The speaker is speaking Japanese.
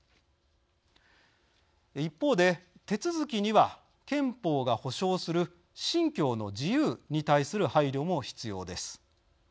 一方で手続きには憲法が保障する信教の自由に対する配慮も必要です。